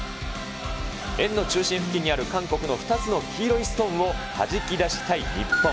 円の中心付近にある韓国の２つの黄色いストーンをはじき出したい日本。